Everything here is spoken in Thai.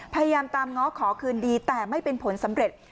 พยายามตามง้อขอคืนดีแต่ไม่เป็นผลสำเร็จ